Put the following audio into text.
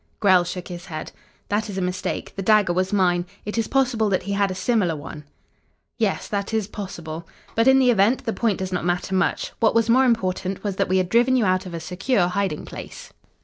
Grell shook his head. "That is a mistake. The dagger was mine. It is possible that he had a similar one." "Yes, that is possible. But in the event, the point does not matter much. What was more important was, that we had driven you out of a secure hiding place.